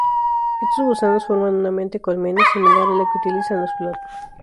Estos gusanos forman una "Mente Colmena", similar a la que utilizan los Flood.